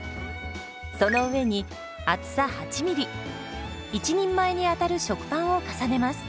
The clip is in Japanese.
その上に厚さ８ミリ１人前に当たる食パンを重ねます。